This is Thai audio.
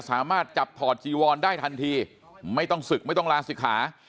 สามารถจับถอดจีวอนได้ทันทีไม่ต้องศึกไม่ต้องลาศิกขา